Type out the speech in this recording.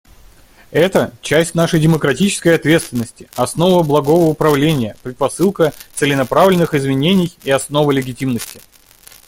Это — часть нашей демократической ответственности, основа благого управления, предпосылка целенаправленных изменений и основа легитимности.